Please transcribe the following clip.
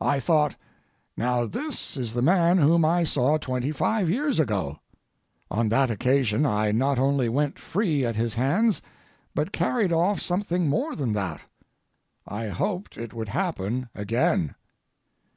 I thought: "Now, this is the man whom I saw twenty five years ago." On that occasion I not only went free at his hands, but carried off something more than that. I hoped it would happen again.